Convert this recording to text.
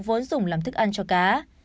vốn dùng làm thức ăn cho cá